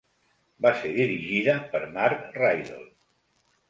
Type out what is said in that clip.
Va ser dirigida per Mark Rydell.